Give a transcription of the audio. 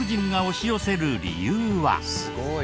すごい。